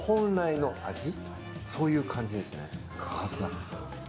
そういう感じですね。